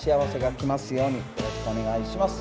よろしくお願いします。